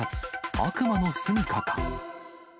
悪魔のすみかか？